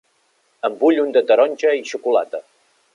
En vull un de taronja i xocolata.